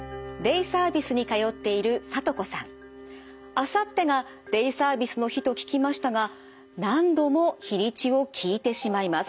あさってがデイサービスの日と聞きましたが何度も日にちを聞いてしまいます。